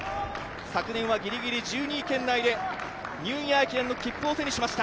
昨年はギリギリ１２位圏内で、ニューイヤー駅伝への切符を手にしました。